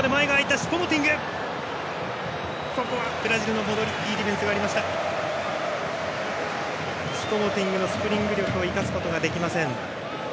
シュポモティングのスプリント力を生かすことができません。